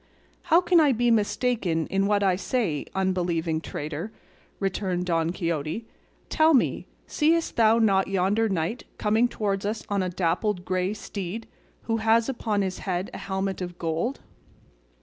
"How can I be mistaken in what I say, unbelieving traitor?" returned Don Quixote; "tell me, seest thou not yonder knight coming towards us on a dappled grey steed, who has upon his head a helmet of gold?"